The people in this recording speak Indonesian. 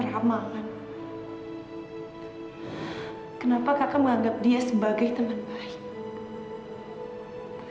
siapa pangeran kamu siapa